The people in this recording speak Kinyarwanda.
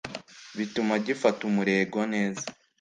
bituma gifata umurego neza